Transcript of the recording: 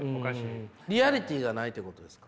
リアリティーがないってことですか？